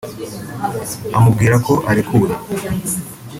amubwira ko arekuwe